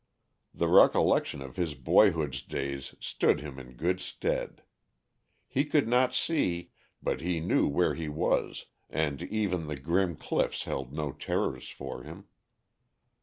The recollection of his boyhood's days stood him in good stead. He could not see, but he knew where he was and even the grim cliffs held no terrors for him.